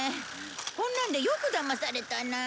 こんなのでよくだまされたなあ。